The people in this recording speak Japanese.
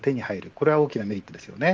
これは大きなメリットです。